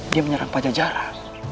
dia menyerang pajajara